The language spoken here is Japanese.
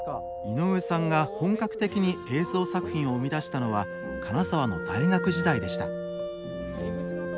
井上さんが本格的に映像作品を生み出したのは金沢の大学時代でした。